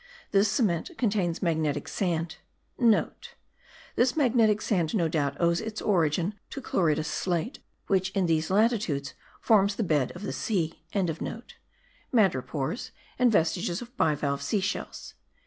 This cement contains magnetic sand,* (* This magnetic sand no doubt owes its origin to chloritous slate, which, in these latitudes, forms the bed of the sea.) madrepores, and vestiges of bivalve sea shells.